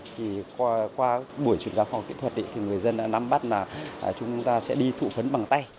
thì qua bưởi chuyển ra khoa học kỹ thuật thì người dân đã nắm bắt là chúng ta sẽ đi thụ phấn bằng tay